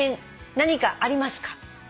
何かありますか？」